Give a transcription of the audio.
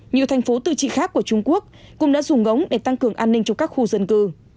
nhiều thành phố tự trị khác của trung quốc cũng đã dùng ống để tăng cường an ninh cho các khu dân cư